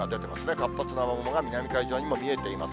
活発な雨雲が南海上にも見えています。